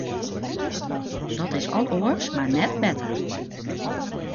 Dat is al oars, mar net better.